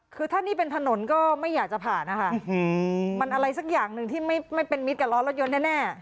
คือถ้านี่เป็นถนนก็ไม่อยากจะผ่านนะคะมันอะไรสักอย่างหนึ่งที่ไม่เป็นมิตรกับล้อรถยนต์แน่